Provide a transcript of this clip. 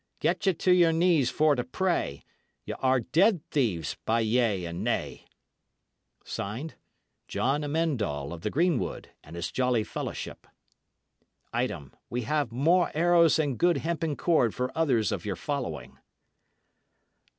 Get ye to your knees for to pray: Ye are ded theeves, by yea and nay! "JON AMEND ALL of the Green Wood, And his jolly fellaweship. "Item, we have mo arrowes and goode hempen cord for otheres of your following."